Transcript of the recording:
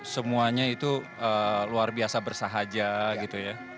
semuanya itu luar biasa bersahaja gitu ya